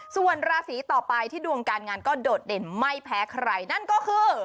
ส่วนราศีต่อไปที่ดวงการงานก็โดดเด่นไม่แพ้ใครนั่นก็คือ